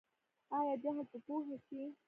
آیا جهل به پوهه شي؟